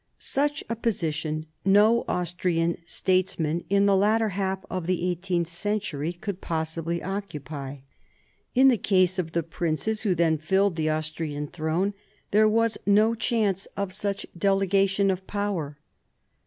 Such a position no Austrian statesman in the latter half of the eighteenth century could possibly occupy. In the case of the princes who then filled the Austrian throne there was no chance of such delegation of power.